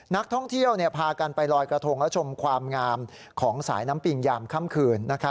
นักท่องเที่ยวพากันไปลอยกระทงและชมความงามของสายน้ำปิงยามค่ำคืน